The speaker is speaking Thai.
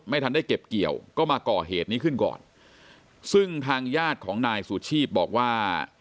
ทันได้เก็บเกี่ยวก็มาก่อเหตุนี้ขึ้นก่อนซึ่งทางญาติของนายสุชีพบอกว่า